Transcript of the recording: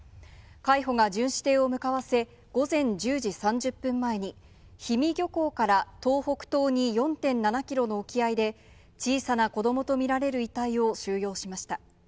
海保が巡視艇を向かわせ、午前１０時３０分前に氷見漁港から東北東に４．７キロの沖合で、小さな子どもと見られる遺体を収容しました。